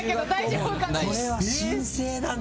これは神聖だね。